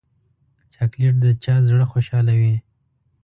چاکلېټ د چا زړه خوشحالوي.